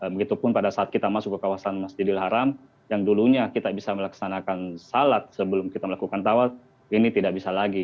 begitupun pada saat kita masuk ke kawasan masjidil haram yang dulunya kita bisa melaksanakan salat sebelum kita melakukan tawaf ini tidak bisa lagi